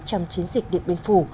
trong chiến dịch điện biên phủ